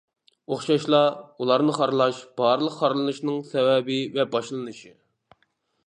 ئوخشاشلا، ئۇلارنى خارلاش بارلىق خارلىنىشنىڭ سەۋەبى ۋە باشلىنىشى!